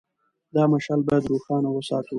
دا مشعل باید روښانه وساتو.